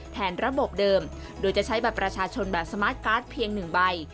ระบบเดิมโดยจะใช้บัตรประชาชนแบบสมาร์ทการ์ดเพียง๑ใบ